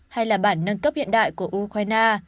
hay là bản nâng cấp hiện đại của ukraine